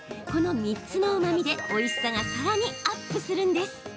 この３つのうまみでおいしさが更にアップするんです。